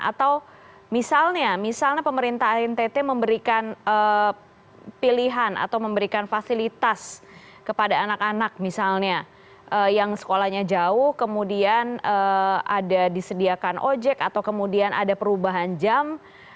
atau misalnya misalnya pemerintah ntt memberikan pilihan atau memberikan fasilitas kepada anak anak misalnya yang sekolahnya jauh kemudian ada disediakan ojek atau kemudian ada perubahan jam